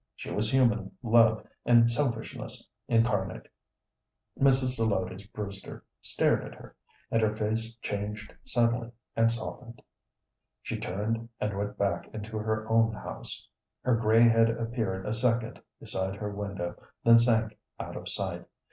She was human love and selfishness incarnate. Mrs. Zelotes Brewster stared at her, and her face changed suddenly and softened. She turned and went back into her own house. Her gray head appeared a second beside her window, then sank out of sight.